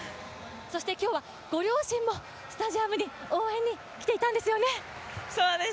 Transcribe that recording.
そして今日はご両親もスタジアムに応援に来ていたんですよね。